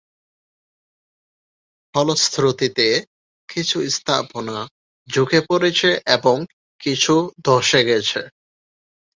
ফলশ্রুতিতে কিছু স্থাপনা ঝুঁকে পড়েছে এবং কিছু ধ্বসে গেছে।